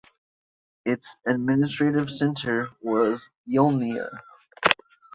Its administrative centre was Yelnya.